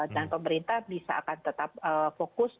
dan pemerintah bisa akan tetap fokus